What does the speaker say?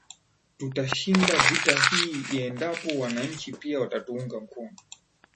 Tutashinda vita hii endapo wananchi pia watatuunga mkono